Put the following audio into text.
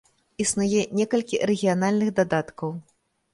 Існуе некалькі рэгіянальных дадаткаў.